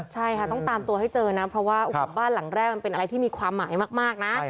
ใช่ค่ะต้องตามตัวให้เจอนะเพราะว่าบ้านหลังแรกมันเป็นอะไรที่มีความหมายมากนะ